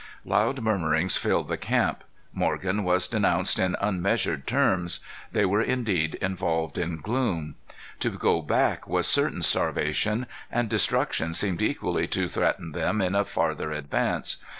Loud murmurings filled the camp. Morgan was denounced in unmeasured terms. They were indeed involved in gloom. To go back was certain starvation. And destruction seemed equally to threaten them in a farther advance.